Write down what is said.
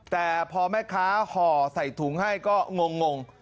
แต่พอแม่ค้าห่อใส่ถุงให้ก็งง